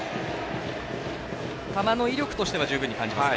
球の威力としては十分に感じますか？